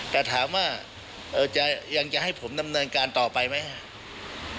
แต่ถามว่ายังจะให้ผมดำเนินการต่อไปไหมครับ